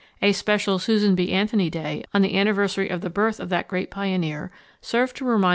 A special Susan B. Anthony Day on the anniversary of the birth of that great pioneer, served to remind.